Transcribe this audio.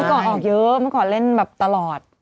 ก่อนออกเยอะเมื่อก่อนเล่นแบบตลอด